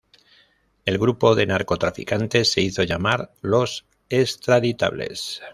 El grupo de narcotraficantes se hizo llamar "Los Extraditables".